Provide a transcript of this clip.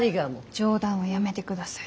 冗談はやめてください。